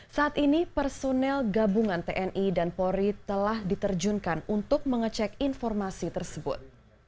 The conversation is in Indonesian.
saat ini personel gabungan tni dan polri telah diterjunkan untuk mengecek informasi tersebut